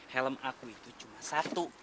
helm aku itu cuma satu